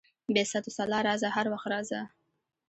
بې ست وسلا راځه، هر وخت راځه.